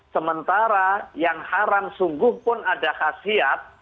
sementara yang haram sungguh pun ada khasiat